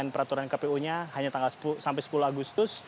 peraturan kpu nya hanya tanggal sampai sepuluh agustus